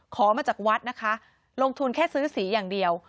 ขอมาจากวัดนะคะลงทุนแค่ซื้อสีอย่างเดียว